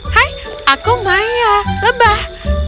hai aku maya lebah